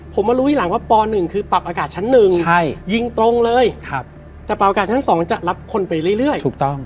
ผมมารู้ทีหลังว่าป๑คือปรับอากาศชั้นหนึ่งยิงตรงเลยแต่ปรับอากาศชั้น๒จะรับคนไปเรื่อยถูกต้อง